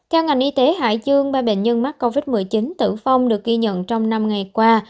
theo ngành y tế hải dương ba bệnh nhân mắc covid một mươi chín tử vong được ghi nhận trong năm ngày qua